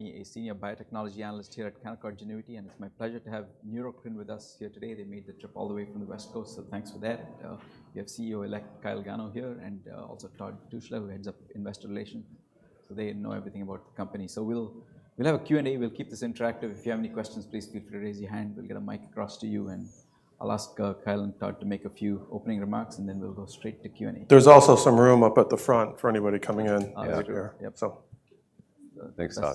A senior biotechnology analyst here at Canaccord Genuity, and it's my pleasure to have Neurocrine with us here today. They made the trip all the way from the West Coast, so thanks for that. We have CEO-elect Kyle Gano here and also Todd Tushla, who heads up investor relations. So they know everything about the company. So we'll have a Q&A. We'll keep this interactive. If you have any questions, please feel free to raise your hand. We'll get a mic across to you, and I'll ask Kyle and Todd to make a few opening remarks, and then we'll go straight to Q&A. There's also some room up at the front for anybody coming in. Yeah. Yep, so. Thanks, Todd.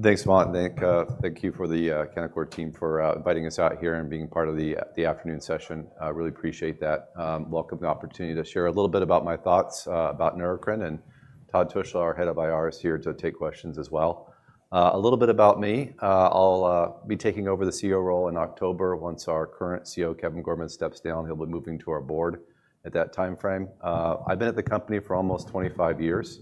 Thanks, Sumant, Nick. Thank you for the Canaccord team for inviting us out here and being part of the afternoon session. I really appreciate that. I welcome the opportunity to share a little bit about my thoughts about Neurocrine and Todd Tushla, our head of IR, is here to take questions as well. A little bit about me, I'll be taking over the CEO role in October once our current CEO, Kevin Gorman, steps down. He'll be moving to our board at that timeframe. I've been at the company for almost 25 years.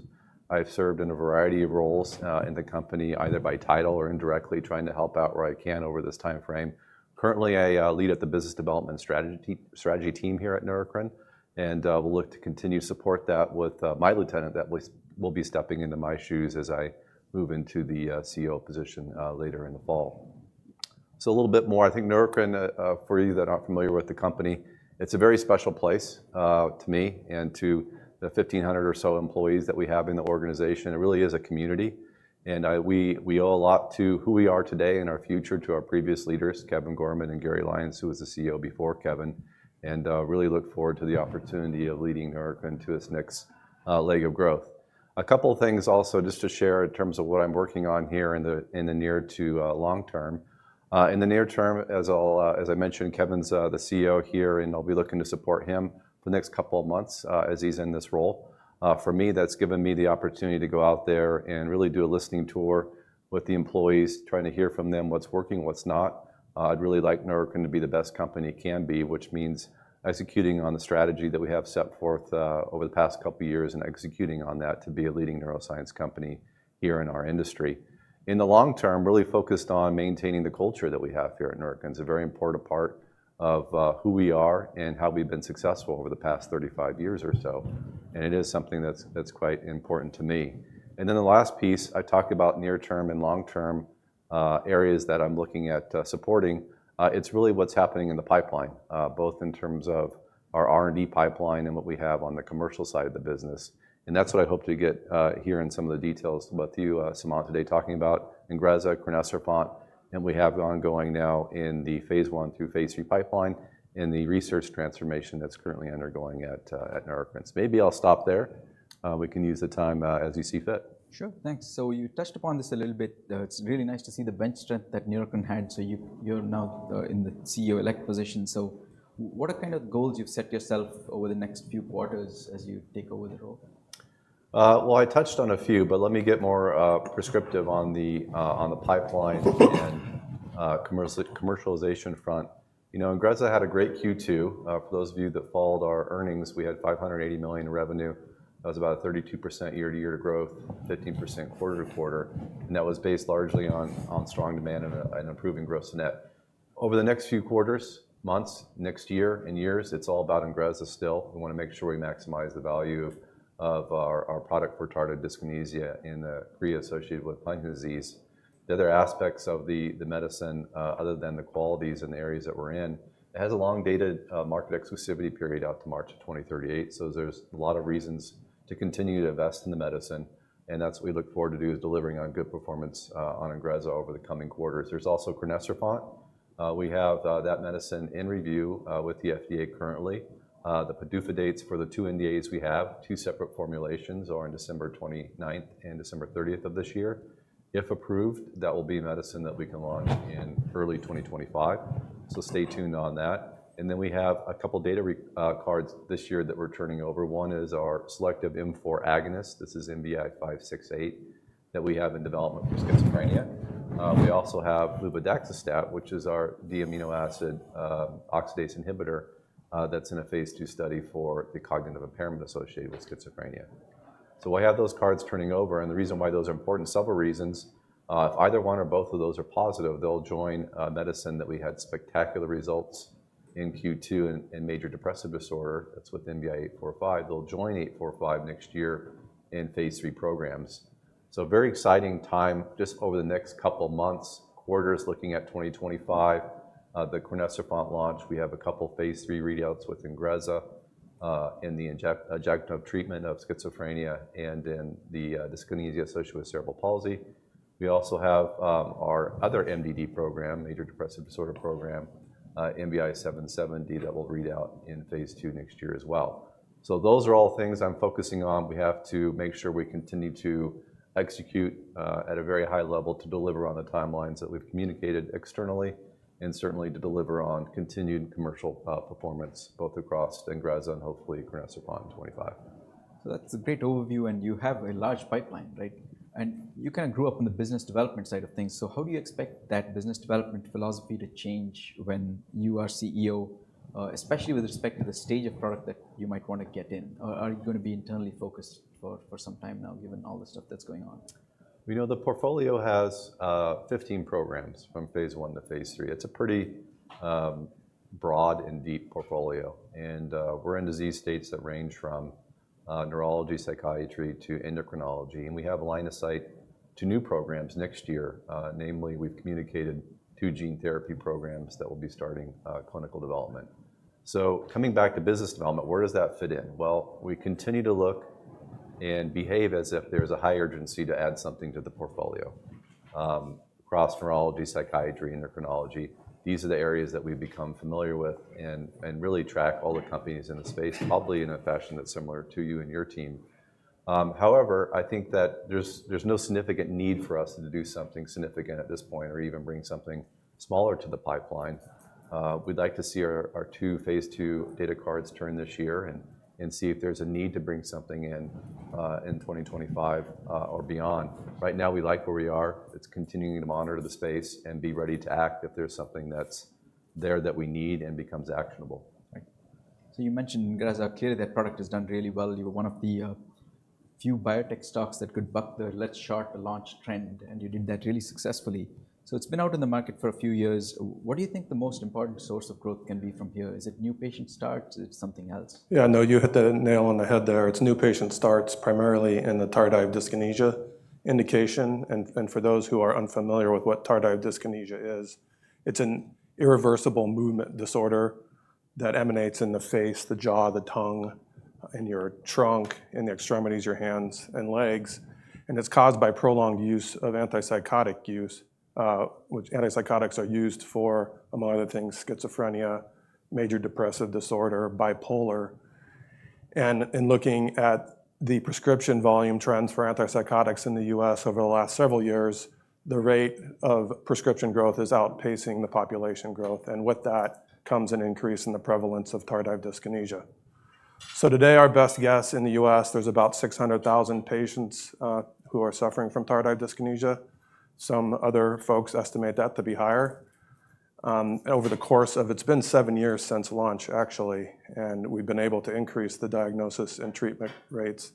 I've served in a variety of roles in the company, either by title or indirectly, trying to help out where I can over this timeframe. Currently, I lead the business development strategy team here at Neurocrine, and we'll look to continue to support that with my lieutenant that will be stepping into my shoes as I move into the CEO position later in the fall. So a little bit more, I think Neurocrine, for you that aren't familiar with the company, it's a very special place to me and to the 1,500 or so employees that we have in the organization. It really is a community, and we owe a lot to who we are today and our future to our previous leaders, Kevin Gorman and Gary Lyons, who was the CEO before Kevin, and really look forward to the opportunity of leading Neurocrine to its next leg of growth. A couple of things also, just to share in terms of what I'm working on here in the near to long-term. In the near-term, as I mentioned, Kevin's the CEO here, and I'll be looking to support him for the next couple of months, as he's in this role. For me, that's given me the opportunity to go out there and really do a listening tour with the employees, trying to hear from them, what's working, what's not. I'd really like Neurocrine to be the best company it can be, which means executing on the strategy that we have set forth, over the past couple of years and executing on that to be a leading neuroscience company here in our industry. In the long-term, really focused on maintaining the culture that we have here at Neurocrine. It's a very important part of who we are and how we've been successful over the past 35 years or so, and it is something that's, that's quite important to me. And then the last piece, I talked about near-term and long-term areas that I'm looking at supporting. It's really what's happening in the pipeline, both in terms of our R&D pipeline and what we have on the commercial side of the business. And that's what I hope to get here in some of the details with you, Sumant, today, talking about INGREZZA, crinecerfont, and we have ongoing now in the phase I through phase III pipeline in the research transformation that's currently undergoing at Neurocrine. Maybe I'll stop there. We can use the time, as you see fit. Sure, thanks. So you touched upon this a little bit. It's really nice to see the bench strength that Neurocrine had. So you're now in the CEO-elect position. So what are kind of goals you've set yourself over the next few quarters as you take over the role? Well, I touched on a few, but let me get more prescriptive on the pipeline and commercialization front. You know, INGREZZA had a great Q2. For those of you that followed our earnings, we had $580 million in revenue. That was about a 32% year-over-year growth, 15% quarter-over-quarter, and that was based largely on strong demand and an improving gross net. Over the next few quarters, months, next year and years, it's all about INGREZZA still. We want to make sure we maximize the value of our product for tardive dyskinesia in the chorea associated with Huntington's disease. The other aspects of the medicine, other than the qualities and the areas that we're in, it has a long-dated market exclusivity period out to March 2038. There's a lot of reasons to continue to invest in the medicine, and that's what we look forward to do, is delivering on good performance on INGREZZA over the coming quarters. There's also crinecerfont. We have that medicine in review with the FDA currently. The PDUFA dates for the two NDAs we have, two separate formulations, are on December 29th and December 30th of this year. If approved, that will be a medicine that we can launch in early twenty twenty-five, so stay tuned on that. And then we have a couple of data readouts this year that we're turning over. One is our selective M4 agonist. This is NBI-1117568 that we have in development for schizophrenia. We also have luvadaxistat, which is our D-amino acid oxidase inhibitor, that's in a phase II study for the cognitive impairment associated with schizophrenia. So we have those cards turning over, and the reason why those are important, several reasons. If either one or both of those are positive, they'll join a medicine that we had spectacular results in Q2 in, in major depressive disorder. That's with NBI-845. They'll join NBI-845 next year in phase III programs. So a very exciting time just over the next couple of months, quarters, looking at 2025, the crinecerfont launch. We have a couple of phase III readouts with INGREZZA, in the adjunctive treatment of schizophrenia and in the dyskinesia associated with cerebral palsy. We also have our other MDD program, major depressive disorder program, NBI-1070770, that will read out in phase II next year as well. So those are all things I'm focusing on. We have to make sure we continue to execute at a very high level to deliver on the timelines that we've communicated externally, and certainly to deliver on continued commercial performance, both across INGREZZA and hopefully crinecerfont in 2025. So that's a great overview, and you have a large pipeline, right? And you kinda grew up in the business development side of things. So how do you expect that business development philosophy to change when you are CEO, especially with respect to the stage of product that you might want to get in? Or are you gonna be internally focused for some time now, given all the stuff that's going on? We know the portfolio has 15 programs from phase I to phase III. It's a pretty broad and deep portfolio, and we're in disease states that range from neurology, psychiatry, to endocrinology, and we have a line of sight to new programs next year. Namely, we've communicated two gene therapy programs that will be starting clinical development. So coming back to business development, where does that fit in? Well, we continue to look and behave as if there's a high urgency to add something to the portfolio. Across neurology, psychiatry, endocrinology, these are the areas that we've become familiar with and really track all the companies in the space, probably in a fashion that's similar to you and your team. However, I think that there's no significant need for us to do something significant at this point or even bring something smaller to the pipeline. We'd like to see our two phase II data cards turn this year and see if there's a need to bring something in, in 2025, or beyond. Right now, we like where we are. It's continuing to monitor the space and be ready to act if there's something that's there that we need and becomes actionable. Right. So you mentioned INGREZZA, clearly, that product has done really well. You're one of the few biotech stocks that could buck the let's short the launch trend, and you did that really successfully. So it's been out in the market for a few years. What do you think the most important source of growth can be from here? Is it new patient starts, or is it something else? Yeah, no, you hit the nail on the head there. It's new patient starts, primarily in the tardive dyskinesia indication, and for those who are unfamiliar with what tardive dyskinesia is, it's an irreversible movement disorder that emanates in the face, the jaw, the tongue, in your trunk, in the extremities, your hands and legs, and it's caused by prolonged use of antipsychotics. Which antipsychotics are used for, among other things, schizophrenia, major depressive disorder, bipolar. In looking at the prescription volume trends for antipsychotics in the U.S. over the last several years, the rate of prescription growth is outpacing the population growth, and with that, comes an increase in the prevalence of tardive dyskinesia. So today, our best guess in the U.S., there's about 600,000 patients who are suffering from tardive dyskinesia. Some other folks estimate that to be higher. Over the course of, it's been 7 years since launch, actually, and we've been able to increase the diagnosis and treatment rates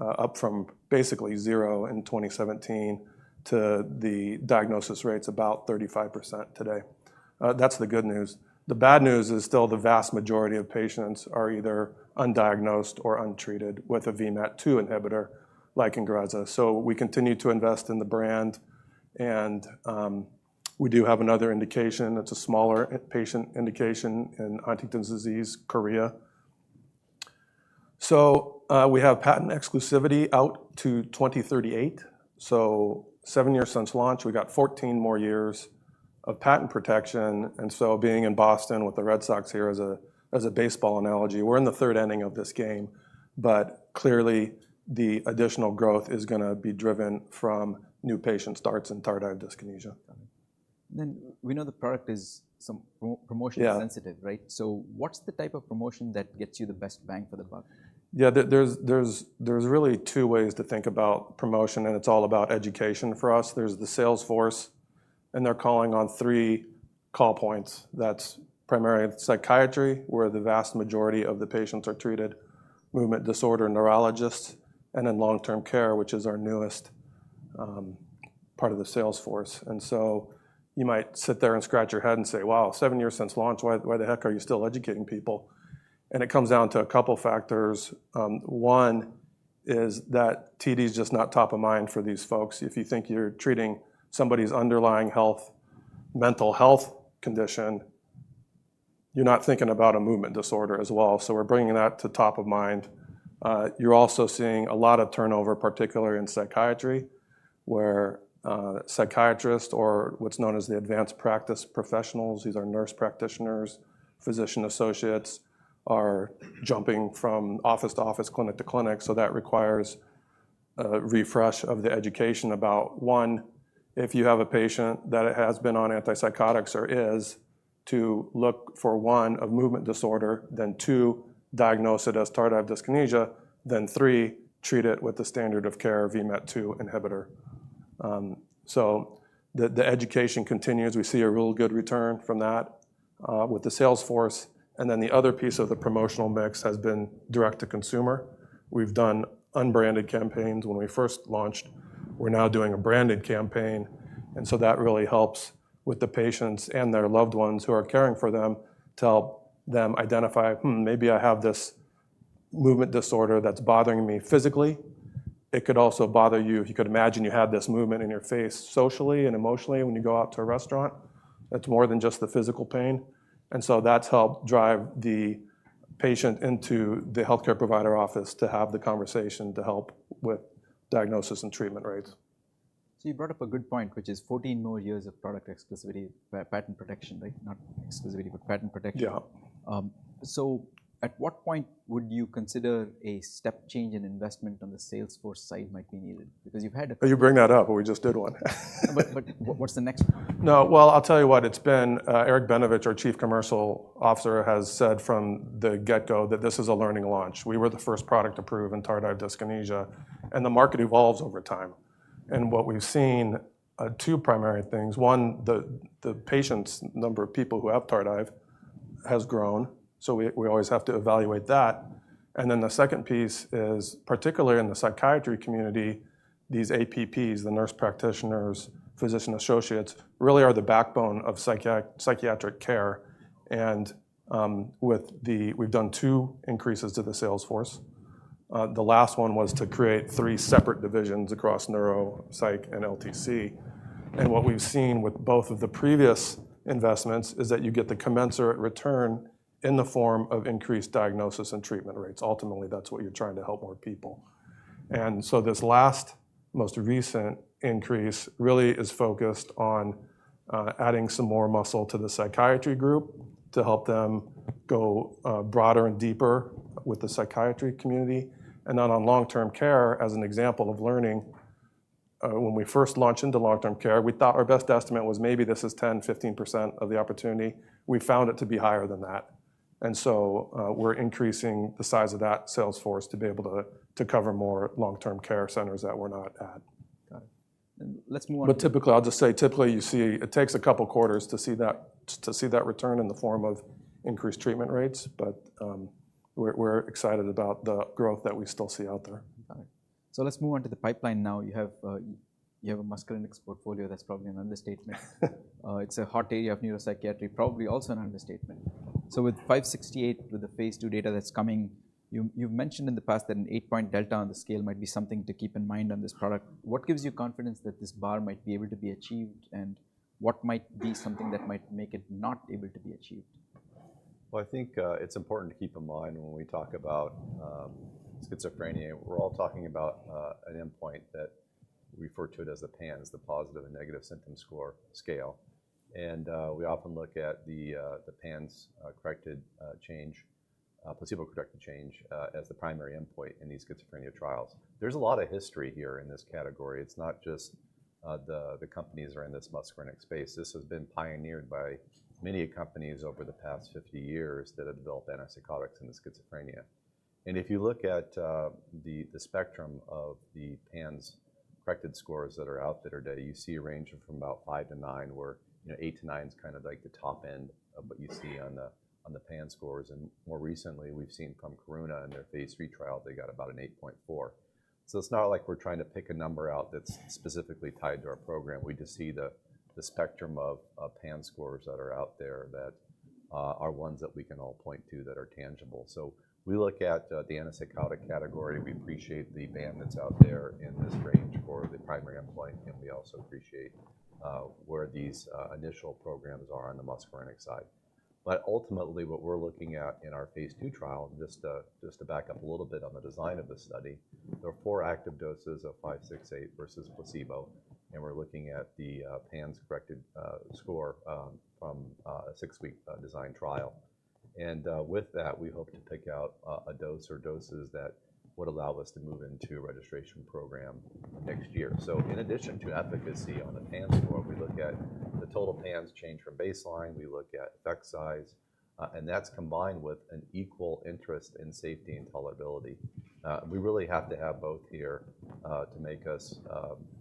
up from basically zero in 2017 to the diagnosis rate's about 35% today. That's the good news. The bad news is still the vast majority of patients are either undiagnosed or untreated with a VMAT2 inhibitor like INGREZZA. So we continue to invest in the brand and, we do have another indication. That's a smaller patient indication in Huntington's disease, chorea. So, we have patent exclusivity out to 2038, so seven years since launch, we got 14 more years of patent protection, and so being in Boston with the Red Sox here as a baseball analogy, we're in the third inning of this game, but clearly, the additional growth is gonna be driven from new patient starts in tardive dyskinesia. Then we know the product is some promotion. Sensitive, right? So what's the type of promotion that gets you the best bang for the buck? Yeah, there's really two ways to think about promotion, and it's all about education for us. There's the sales force, and they're calling on three call points. That's primarily psychiatry, where the vast majority of the patients are treated, movement disorder neurologists, and then long-term care, which is our newest part of the sales force. And so you might sit there and scratch your head and say, "Wow, seven years since launch, why the heck are you still educating people?" And it comes down to a couple factors. One is that TD is just not top of mind for these folks. If you think you're treating somebody's underlying health, mental health condition, you're not thinking about a movement disorder as well. So we're bringing that to top of mind. You're also seeing a lot of turnover, particularly in psychiatry, where psychiatrists or what's known as the advanced practice professionals, these are nurse practitioners, physician associates, are jumping from office to office, clinic to clinic, so that requires a refresh of the education about, one, if you have a patient that has been on antipsychotics or is to look for, one, a movement disorder, then, two, diagnose it as tardive dyskinesia, then, three, treat it with the standard of care, VMAT2 inhibitor. So the education continues. We see a real good return from that with the sales force, and then the other piece of the promotional mix has been direct to consumer. We've done unbranded campaigns when we first launched. We're now doing a branded campaign, and so that really helps with the patients and their loved ones who are caring for them, to help them identify, "Hmm, maybe I have this movement disorder that's bothering me physically." It could also bother you. If you could imagine you had this movement in your face socially and emotionally when you go out to a restaurant, that's more than just the physical pain. And so that's helped drive the patient into the healthcare provider office to have the conversation, to help with diagnosis and treatment rates. So you brought up a good point, which is 14 more years of product exclusivity, patent protection, right? Not exclusivity, but patent protection. Yeah. So at what point would you consider a step change in investment on the sales force side might be needed? You bring that up, but we just did one. But what's the next one? No. Well, I'll tell you what it's been. Eric Benevich, our Chief Commercial Officer, has said from the get-go that this is a learning launch. We were the first product approved in tardive dyskinesia, and the market evolves over time. And what we've seen, two primary things: one, the patients, number of people who have tardive, has grown, so we always have to evaluate that. And then the second piece is, particularly in the psychiatry community, these APPs, the nurse practitioners, physician associates, really are the backbone of psychiatric care. And with the, we've done two increases to the sales force. The last one was to create three separate divisions across neuro, psych, and LTC. And what we've seen with both of the previous investments is that you get the commensurate return in the form of increased diagnosis and treatment rates. Ultimately, that's what you're trying to help more people. And so this last, most recent increase really is focused on adding some more muscle to the psychiatry group to help them go broader and deeper with the psychiatry community, and then on long-term care, as an example of learning, when we first launched into long-term care, we thought our best estimate was maybe this is 10%, 15% of the opportunity. We found it to be higher than that. And so, we're increasing the size of that sales force to be able to cover more long-term care centers that we're not at. Got it. I'll just say, typically, you see, it takes a couple of quarters to see that, to see that return in the form of increased treatment rates, but we're, we're excited about the growth that we still see out there. Got it. So let's move on to the pipeline now. You have, you have a muscarinic portfolio. That's probably an understatement. It's a hot area of neuropsychiatry, probably also an understatement. So with 568, with the phase II data that's coming, you, you've mentioned in the past that an 8-point delta on the scale might be something to keep in mind on this product. What gives you confidence that this bar might be able to be achieved, and what might be something that might make it not able to be achieved? Well, I think, it's important to keep in mind when we talk about, schizophrenia, we're all talking about, an endpoint that we refer to it as the PANSS, the positive and negative syndrome scale. And, we often look at the, the PANSS, corrected, change, placebo-corrected change, as the primary endpoint in these schizophrenia trials. There's a lot of history here in this category. It's not just, the, the companies are in this muscarinic space. This has been pioneered by many companies over the past 50 years that have developed antipsychotics in the schizophrenia. If you look at the spectrum of the PANSS corrected scores that are out there today, you see a range from about 5-9, where, you know, 8-9 is kind of like the top end of what you see on the PANSS scores. And more recently, we've seen Karuna in their phase III trial, they got about an 8.4. So it's not like we're trying to pick a number out that's specifically tied to our program. We just see the spectrum of PANSS scores that are out there that are ones that we can all point to that are tangible. So we look at the antipsychotic category. We appreciate the band that's out there in this range for the primary endpoint, and we also appreciate where these initial programs are on the muscarinic side. But ultimately, what we're looking at in our phase II trial, just to back up a little bit on the design of the study, there are 4 active doses of NBI-568 versus placebo, and we're looking at the PANSS corrected score from a 6-week design trial. And with that, we hope to pick out a dose or doses that would allow us to move into a registration program next year. So in addition to efficacy on the PANSS score, we look at the total PANSS change from baseline, we look at effect size, and that's combined with an equal interest in safety and tolerability. We really have to have both here to make us,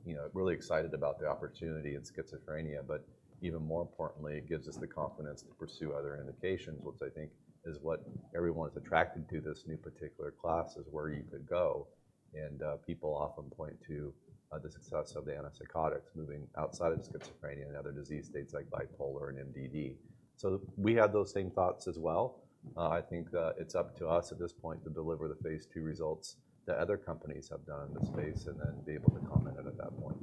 you know, really excited about the opportunity in schizophrenia, but even more importantly, it gives us the confidence to pursue other indications, which I think is what everyone is attracted to this new particular class, is where you could go. And people often point to the success of the antipsychotics moving outside of schizophrenia and other disease states like bipolar and MDD. So we have those same thoughts as well. I think it's up to us at this point to deliver the phase II results that other companies have done in the space and then be able to comment at that point.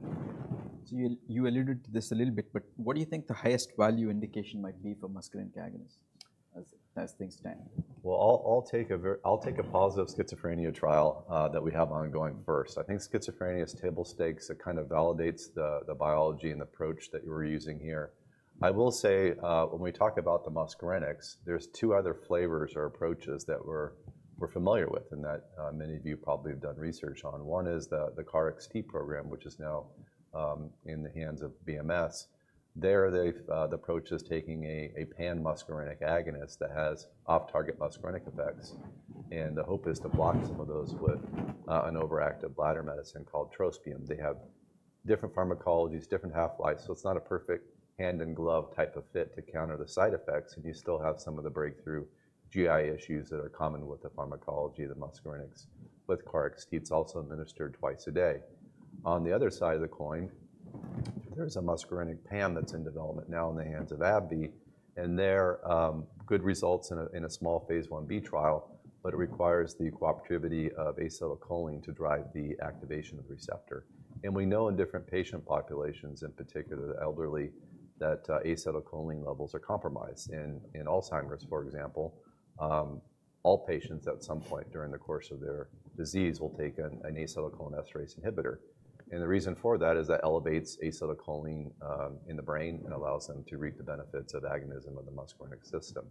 So you alluded to this a little bit, but what do you think the highest value indication might be for muscarinic agonists as things stand? Well, I'll take a positive schizophrenia trial that we have ongoing first. I think schizophrenia is table stakes. It kind of validates the biology and approach that we're using here. I will say, when we talk about the muscarinics, there's two other flavors or approaches that we're familiar with and that many of you probably have done research on. One is the KarXT program, which is now in the hands of BMS. There, they've the approach is taking a pan-muscarinic agonist that has off-target muscarinic effects, and the hope is to block some of those with an overactive bladder medicine called trospium. They have different pharmacologies, different half-life, so it's not a perfect hand-in-glove type of fit to counter the side effects, and you still have some of the breakthrough GI issues that are common with the pharmacology of the muscarinics. With KarXT, it's also administered twice a day. On the other side of the coin, there's a muscarinic PAM that's in development now in the hands of AbbVie, and they're good results in a small phase IB trial, but it requires the cooperativity of acetylcholine to drive the activation of the receptor. We know in different patient populations, in particular, the elderly, that acetylcholine levels are compromised. In Alzheimer's, for example, all patients at some point during the course of their disease will take an acetylcholinesterase inhibitor. And the reason for that is that elevates acetylcholine in the brain and allows them to reap the benefits of the agonism of the muscarinic system.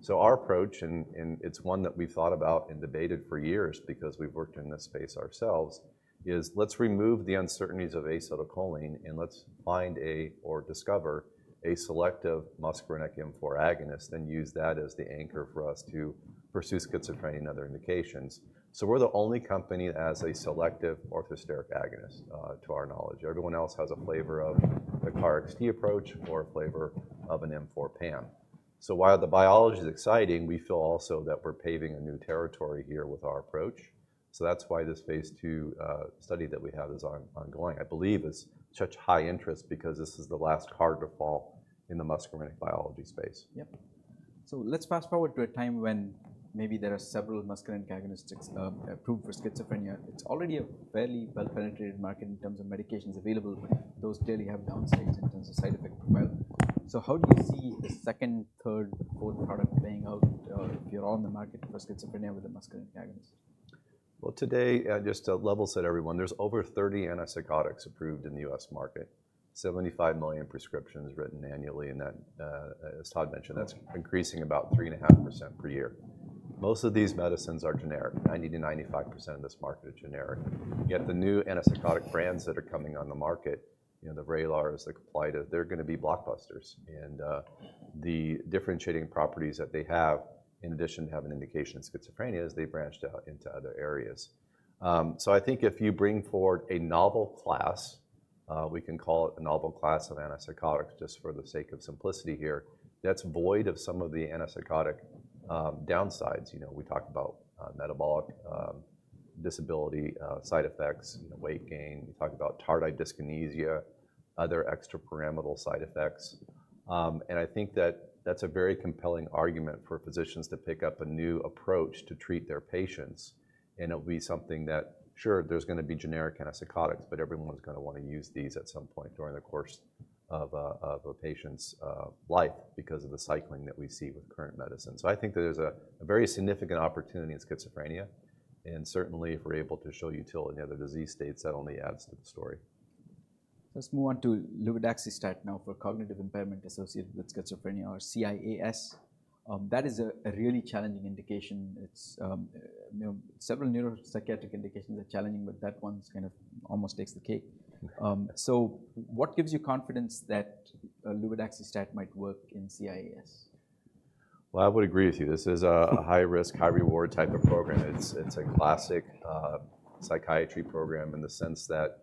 So our approach, and it's one that we've thought about and debated for years because we've worked in this space ourselves, is let's remove the uncertainties of acetylcholine, and let's find a, or discover a selective muscarinic M4 agonist, then use that as the anchor for us to pursue schizophrenia and other indications. So we're the only company that has a selective orthosteric agonist to our knowledge. Everyone else has a flavor of the KarXT approach or a flavor of an M4 PAM. So while the biology is exciting, we feel also that we're paving a new territory here with our approach. So that's why this phase II study that we have is ongoing. I believe it's such high interest because this is the last card to fall in the muscarinic biology space. Yep. So let's fast forward to a time when maybe there are several muscarinic agonists approved for schizophrenia. It's already a fairly well-penetrated market in terms of medications available. Those clearly have downsides in terms of side effect profile. So how do you see the second, third, fourth product playing out, if you're on the market for schizophrenia with a muscarinic agonist? Well, today, just to level set everyone, there's over 30 antipsychotics approved in the U.S. market, 75 million prescriptions written annually, and that, as Todd mentioned, that's increasing about 3.5% per year. Most of these medicines are generic. 90%-95% of this market is generic. Yet the new antipsychotic brands that are coming on the market, you know, the VRAYLAR, the clozapine, they're gonna be blockbusters. And, the differentiating properties that they have, in addition to having an indication in schizophrenia, is they branched out into other areas. So I think if you bring forward a novel class, we can call it a novel class of antipsychotics, just for the sake of simplicity here, that's void of some of the antipsychotic, downsides. You know, we talk about, metabolic, disability, side effects, you know, weight gain. We talk about tardive dyskinesia, other extrapyramidal side effects. And I think that that's a very compelling argument for physicians to pick up a new approach to treat their patients, and it'll be something that, sure, there's going to be generic antipsychotics, but everyone's going to use these at some point during the course of a patient's life because of the cycling that we see with current medicine. So I think there's a very significant opportunity in schizophrenia, and certainly, if we're able to show utility in the other disease states, that only adds to the story. Let's move on to luvadaxistat now for cognitive impairment associated with schizophrenia, or CIAS. That is a really challenging indication. It's, you know, several neuropsychiatric indications are challenging, but that one's kind of almost takes the cake. So what gives you confidence that luvadaxistat might work in CIAS? Well, I would agree with you. This is a high-risk, high-reward type of program. It's a classic psychiatry program in the sense that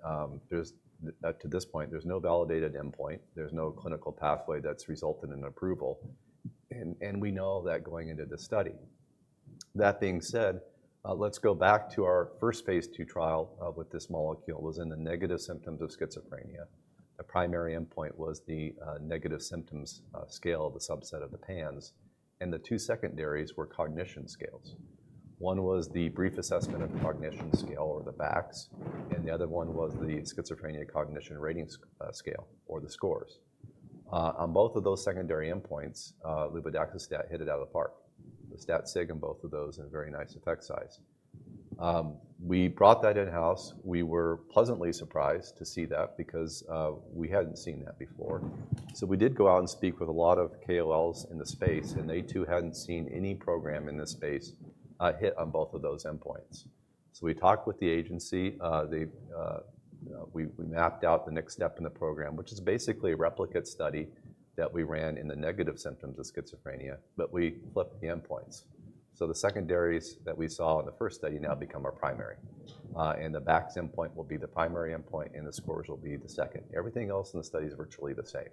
to this point, there's no validated endpoint, there's no clinical pathway that's resulted in approval. And we know that going into the study. That being said, let's go back to our first phase II trial with this molecule, was in the negative symptoms of schizophrenia. The primary endpoint was the negative symptoms scale, the subset of the PANSS, and the two secondaries were cognition scales. One was the brief assessment of cognition scale, or the BACS, and the other one was the schizophrenia cognition ratings scale, or the SCoRS. On both of those secondary endpoints, luvadaxistat hit it out of the park. The stat sig in both of those had a very nice effect size. We brought that in-house. We were pleasantly surprised to see that because we hadn't seen that before. So we did go out and speak with a lot of KOLs in the space, and they, too, hadn't seen any program in this space hit on both of those endpoints. So we talked with the agency, you know, we mapped out the next step in the program, which is basically a replicate study that we ran in the negative symptoms of schizophrenia, but we flipped the endpoints. So the secondaries that we saw in the first study now become our primary. And the BACS endpoint will be the primary endpoint, and the SCoRS will be the second. Everything else in the study is virtually the same.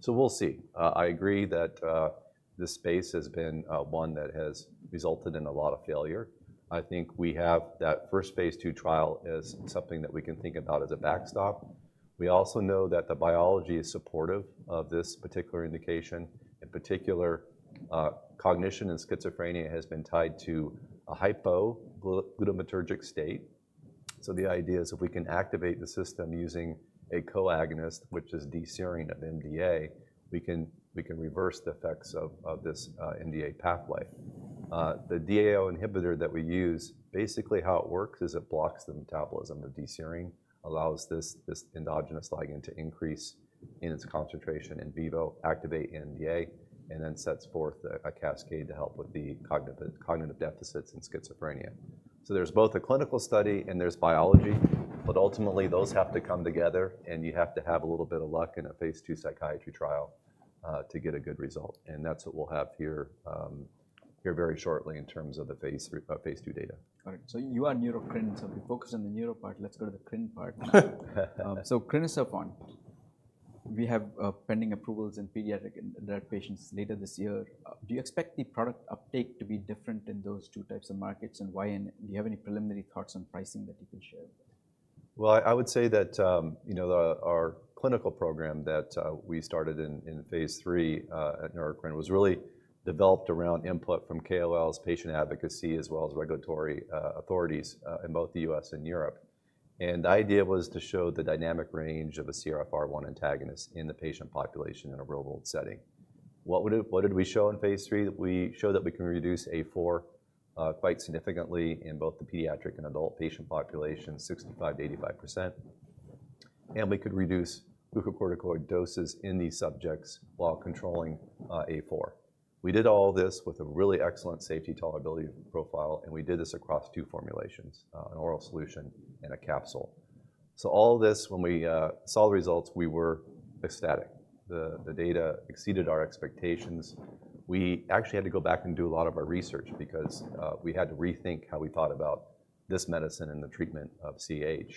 So we'll see. I agree that, this space has been, one that has resulted in a lot of failure. I think we have that first phase II trial as something that we can think about as a backstop. We also know that the biology is supportive of this particular indication. In particular, cognition and schizophrenia has been tied to a hypoglutamatergic state. So the idea is if we can activate the system using a co-agonist, which is D-serine of NMDA, we can, we can reverse the effects of, of this, NMDA pathway. The DAO inhibitor that we use, basically how it works is it blocks the metabolism of D-serine, allows this, this endogenous ligand to increase in its concentration in vivo, activate NMDA, and then sets forth a, a cascade to help with the cognitive, cognitive deficits in schizophrenia. So there's both a clinical study and there's biology, but ultimately, those have to come together, and you have to have a little bit of luck in a phase II psychiatry trial to get a good result. And that's what we'll have here, here very shortly in terms of the phase III, phase II data. All right. So you are Neurocrine, so we focused on the neuro part. Let's go to the crine part now. So crinecerfont, we have pending approvals in pediatric and adult patients later this year. Do you expect the product uptake to be different in those two types of markets, and why? And do you have any preliminary thoughts on pricing that you can share? Well, I would say that, you know, the, our clinical program that we started in, in phase III, at Neurocrine, was really developed around input from KOLs, patient advocacy, as well as regulatory, authorities, in both the U.S. and Europe. And the idea was to show the dynamic range of a CRF1 antagonist in the patient population in a real-world setting. What would, what did we show in phase III? That we showed that we can reduce A4, quite significantly in both the pediatric and adult patient population, 65%-85%, and we could reduce glucocorticoid doses in these subjects while controlling, A4. We did all this with a really excellent safety tolerability profile, and we did this across two formulations: an oral solution and a capsule. So all this, when we, saw the results, we were ecstatic. The data exceeded our expectations. We actually had to go back and do a lot of our research because we had to rethink how we thought about this medicine and the treatment of CAH.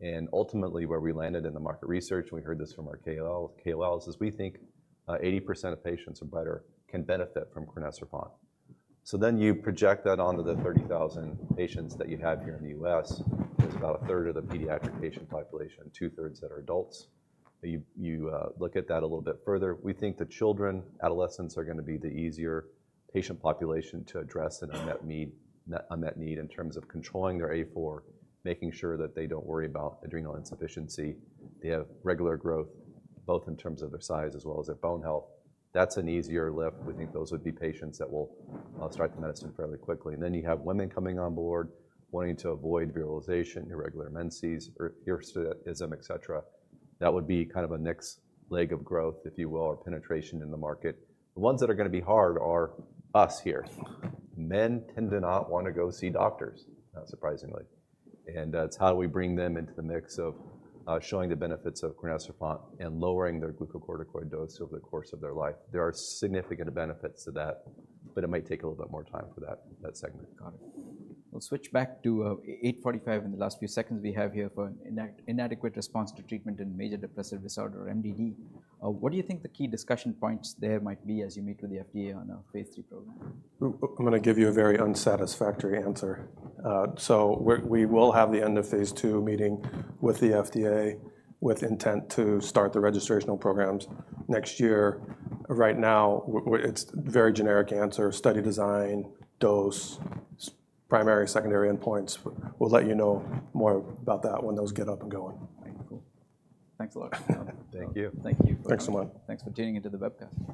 And ultimately, where we landed in the market research, and we heard this from our KOLs, is we think 80% of patients are better, can benefit from crinecerfont. So then you project that onto the 30,000 patients that you have here in the U.S. There's about 1/3 of the pediatric patient population, 2/3 that are adults. You look at that a little bit further. We think the children, adolescents, are gonna be the easier patient population to address an unmet need in terms of controlling their A4, making sure that they don't worry about adrenal insufficiency. They have regular growth, both in terms of their size as well as their bone health. That's an easier lift. We think those would be patients that will start the medicine fairly quickly. And then you have women coming on board wanting to avoid virilization, irregular menses, or hirsutism, etc. That would be kind of a next leg of growth, if you will, or penetration in the market. The ones that are goning to be hard are us here. Men tend to not want to go see doctors, surprisingly, and that's how we bring them into the mix of showing the benefits of crinecerfont and lowering their glucocorticoid dose over the course of their life. There are significant benefits to that, but it might take a little bit more time for that segment. Got it. We'll switch back to 845, in the last few seconds we have here, for an inadequate response to treatment in major depressive disorder, or MDD. What do you think the key discussion points there might be as you meet with the FDA on a phase III program? I'm goin to give you a very unsatisfactory answer. So we will have the end of phase II meeting with the FDA, with intent to start the registrational programs next year. Right now, it's very generic answer, study design, dose, primary, secondary endpoints. We'll let you know more about that when those get up and going. Thank you. Cool. Thanks a lot. Thank you. Thank you. Thanks so much. Thanks for tuning into the webcast.